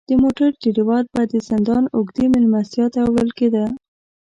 د موټر دریور به د زندان اوږدې میلمستیا ته وړل کیده.